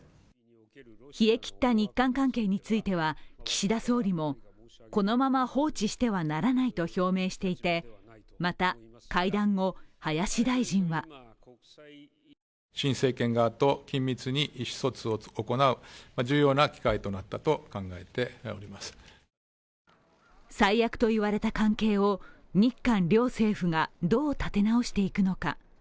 冷え切った日韓関係については、岸田総理も、このまま放置してはならないと表明していて、また、会談後、林大臣は最悪といわれた関係を日韓両政府がどう立て直していくのか。